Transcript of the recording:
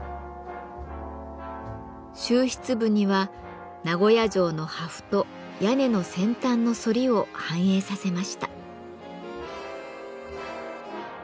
終筆部には名古屋城の破風と屋根の先端の反りを反映させました。